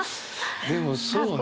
でもそうね。